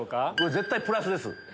絶対プラスです。